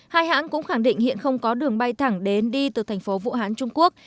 hai hãng cũng khẳng định hiện không có đường bay thẳng đến đi từ thành phố vũ hán trung quốc